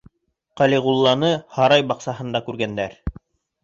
Калигуланы һарай баҡсаһында күргәндәр.